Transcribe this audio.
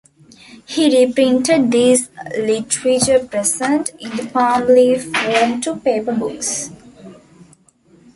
He reprinted these literature present in the palm leaf form to paper books.